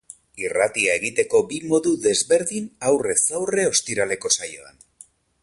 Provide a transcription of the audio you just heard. Irratia egiteko bi modu desberdin aurrez aurre ostiraleko saioan.